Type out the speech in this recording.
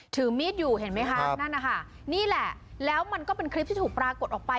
ถือมีดอยู่เห็นไหมคะนั่นนะคะนี่แหละแล้วมันก็เป็นคลิปที่ถูกปรากฏออกไป